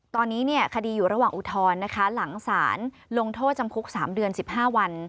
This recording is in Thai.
ตอนนี้คดีอยู่ระหว่างอุทธรณ์นะคะหลังสารลงโทษจำคุก๓เดือน๑๕วัน